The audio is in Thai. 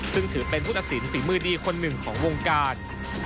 ซึ่งถือเป็นผู้ตัดสินฝีมือดีคนหนึ่งของวงการ